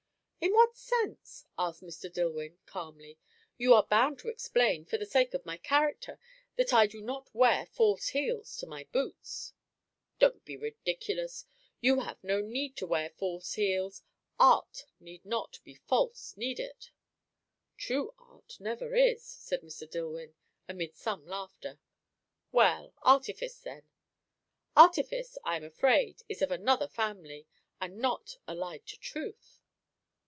"In what sense?" asked Mr. Dillwyn calmly. "You are bound to explain, for the sake of my character, that I do not wear false heels to my boots." "Don't be ridiculous! You have no need to wear false heels. Art need not be false, need it?" "True art never is," said Mr. Dillwyn, amid some laughter. "Well, artifice, then?" "Artifice, I am afraid, is of another family, and not allied to truth."